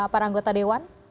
para anggota dewan